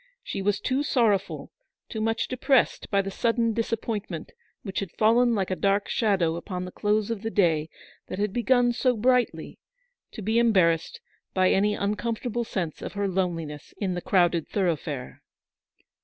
She was too sorrowful, too much depressed by the sudden disappointment which had fallen like a dark shadow upon the close of the day that had begun so brightly, to be embarrassed by any uncomfortable sense of her loneliness in the crowded thoroughfare.